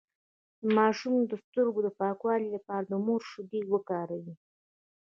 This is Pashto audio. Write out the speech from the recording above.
د ماشوم د سترګو د پاکوالي لپاره د مور شیدې وکاروئ